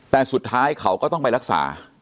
แต่สุดท้ายเขาก็ต้องไปรักษา